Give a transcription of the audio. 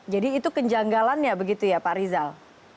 jadi itu kejanggalan ya begitu ya pak rizal